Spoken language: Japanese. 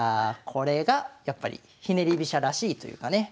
これがやっぱりひねり飛車らしいというかね。